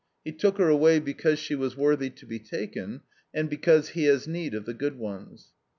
He took her away because she was worthy to be taken, and because He has need of the good ones."